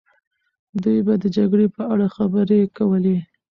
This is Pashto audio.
دوی به د جګړې په اړه خبرې کولې.